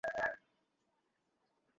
হ্যাঁ, আমরা গ্রামে ফিরে যাচ্ছি!